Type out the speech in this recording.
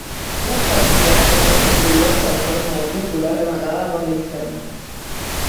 Las capillas presentan cubierta en forma de cúpula rematada por linterna.